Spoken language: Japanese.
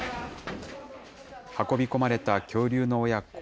運び込まれた恐竜の親子。